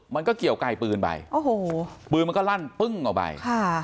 มันก็เกี่ยวไกลปืนไปโอ้โหปืนมันก็ลั่นปึ้งออกไปค่ะ